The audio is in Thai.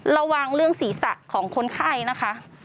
ระวังเรื่องศีรษะของคนไข้นะคะ